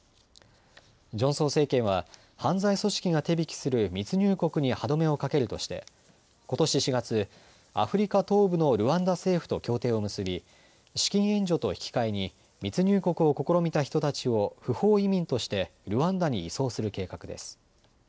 ジョンソン政権は犯罪組織が手引きする密入国に歯止めをかけるとしてことし４月、アフリカ東部のルワンダ政府と協定を結び資金援助と引き換えに密入国を試みた人たちを不法移民としてルワンダに移送する計画です。